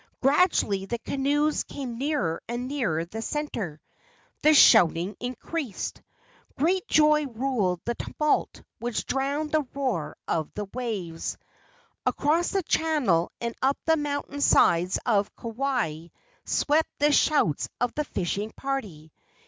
Gradually the canoes came nearer and nearer the centre. The shouting increased. Great joy ruled the tumult which drowned the roar of the waves. Across the channel and up the mountain sides of Kauai swept the shouts of the fishing party.